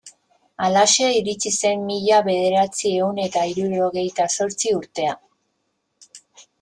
Halaxe iritsi zen mila bederatziehun eta hirurogeita zortzi urtea.